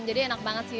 jadi enak banget sih